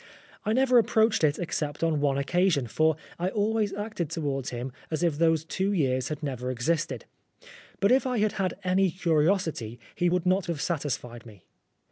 I never approached it except on one occasion, for I always acted towards him as if those two years had never existed ; but if I had had any curiosity, he would not have satisfied me.